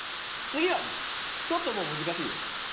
つぎはねちょっともうむずかしいよ。